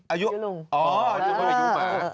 อายุอายุอ๋ออายุมาก